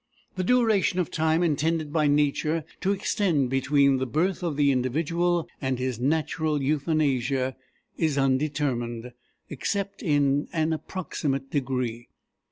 The duration of time intended by Nature to extend between the birth of the individual and his natural Euthanasia is undetermined, except in an approximate degree.